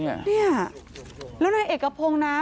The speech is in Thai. เนี่ยแล้วในเอกพงต์น่ะ